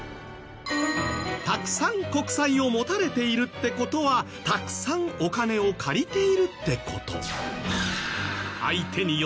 たくさん国債を持たれているって事はたくさんお金を借りているって事。